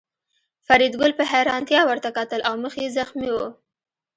فریدګل په حیرانتیا ورته کتل او مخ یې زخمي و